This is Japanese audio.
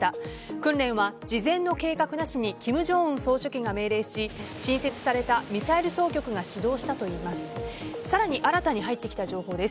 訓練は事前の計画なしに金正恩総書記が命令し新設されたミサイル総局が指導したといいます。